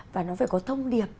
và nó phải có thông điệp